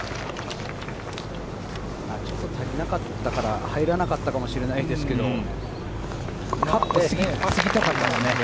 ちょっと足りなかったから入らなかったかもしれないですけど、カップ過ぎたかったですね。